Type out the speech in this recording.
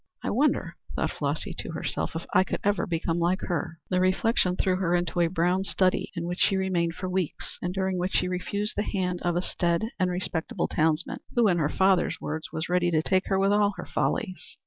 "I wonder," thought Flossy to herself, "if I could ever become like her." The reflection threw her into a brown study in which she remained for weeks, and during which she refused the hand of a staid and respectable townsman, who, in her father's words, was ready to take her with all her follies.